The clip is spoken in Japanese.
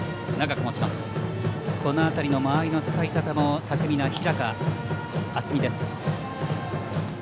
この辺りの間合いの使い方も巧みな日高暖己です。